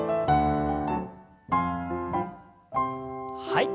はい。